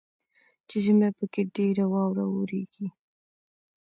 چې ژمي پکښې ډیره واوره اوریږي.